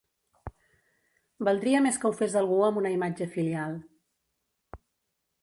Valdria més que ho fes algú amb una imatge filial.